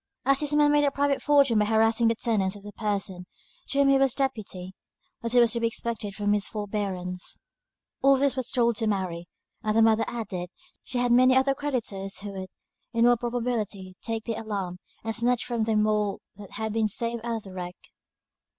As this man made a private fortune by harassing the tenants of the person to whom he was deputy, little was to be expected from his forbearance. All this was told to Mary and the mother added, she had many other creditors who would, in all probability, take the alarm, and snatch from them all that had been saved out of the wreck.